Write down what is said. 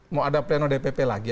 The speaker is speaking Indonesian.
mau ada pleno dpp lagi